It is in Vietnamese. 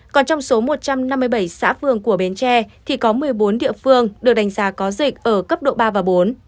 còn trong số một trăm năm mươi bảy xã phường của bến tre thì có một mươi bốn địa phương được đánh giá có dịch ở cấp độ ba và bốn